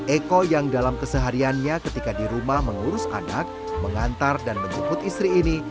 eko yang dalam kesehariannya ketika di rumah mengurus anak mengantar dan menjemput istri ini